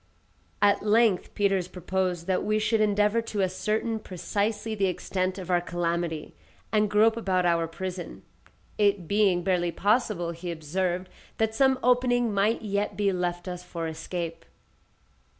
At length Peters proposed that we should endeavour to ascertain precisely the extent of our calamity, and grope about our prison; it being barely possible, he observed, that some opening might yet be left us for escape.